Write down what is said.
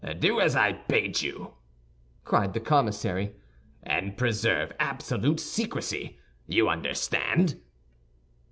"Do as I bade you," cried the commissary, "and preserve absolute secrecy. You understand!"